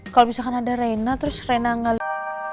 kalau misalkan ada reyna terus reyna gak